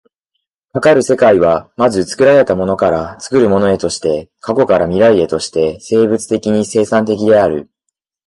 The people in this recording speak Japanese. かかる世界は、まず作られたものから作るものへとして、過去から未来へとして生物的に生産的である。